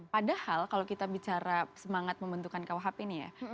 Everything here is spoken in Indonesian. padahal kalau kita bicara semangat membentukan kuhp ini ya